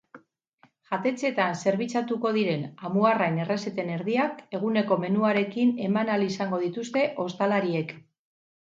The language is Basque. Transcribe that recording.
Jatetxeetan zerbitzatuko diren amuarrain errezeten erdiak eguneko menuarekin eman al izango dituzte ostalariek.